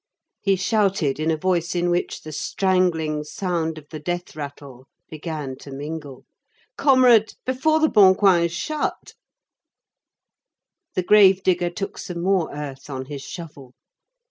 He shouted in a voice in which the strangling sound of the death rattle began to mingle:— "Comrade! Before the Bon Coing is shut!" The grave digger took some more earth on his shovel.